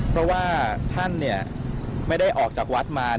เพราะว่าท่านไม่ได้ออกจากวัดมา